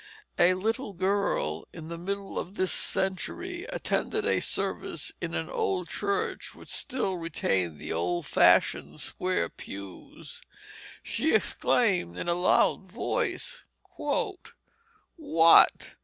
A little girl in the middle of this century attended a service in an old church which still retained the old fashioned square pews; she exclaimed, in a loud voice, "What!